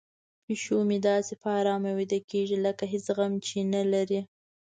پیشو مې داسې په ارامه ویده کیږي لکه هیڅ غم چې نه لري.